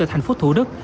và thành phố thủ đức